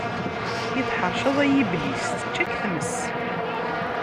I tḥeṛceḍ ay Iblis, tečča-k tmes.